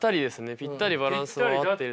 ぴったりバランスは合ってる。